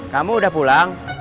kamu udah pulang